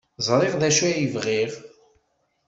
Ẓriɣ d acu ay bɣiɣ.